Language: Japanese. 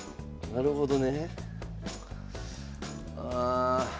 なるほど。